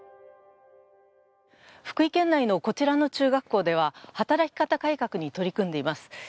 福井県内のこちらの中学校では働き方改革に取り組んでいます。